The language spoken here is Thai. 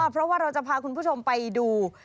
เพราะว่าเราจะพาคุณผู้ชมไปดู